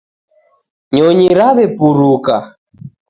Nyonyi yaw'epuruka